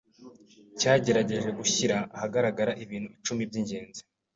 cyagerageje gushyira ahagaragara ibintu icumi by’ingenzi